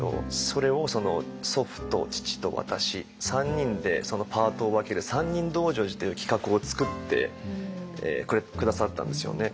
それを祖父と父と私３人でパートを分ける「三人道成寺」という企画を作って下さったんですよね。